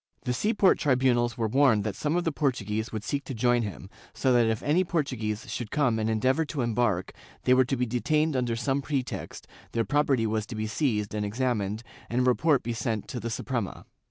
The sea port tribunals were warned that some of the Portuguese would seek to join him, so that if any Portuguese should come and endeavor to embark, they were to be detained under some pretext, their property was to be seized and examined and a report be sent to the Suprema.